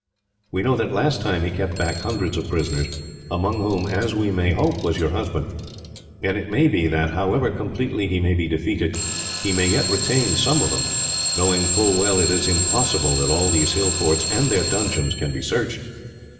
We know that, last time, he kept back hundreds of prisoners, among whom, as we may hope, was your husband; and it may be that, however completely he may be defeated, he may yet retain some of them, knowing full well it is impossible that all these hill forts and their dungeons can be searched.